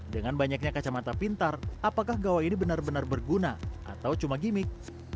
dengan banyaknya kacamata pintar apakah gawai ini benar benar berguna atau cuma gimmick